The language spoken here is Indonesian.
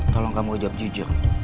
tolong kamu jawab jujur